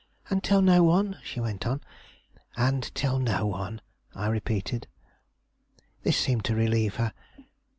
'And tell no one?' she went on. 'And tell no one,' I repeated. "This seemed to relieve her.